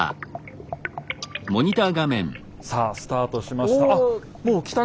さあスタートしました。